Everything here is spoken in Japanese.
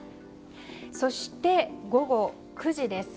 そして午後９時です。